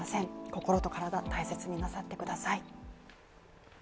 心と体、大切になさってください。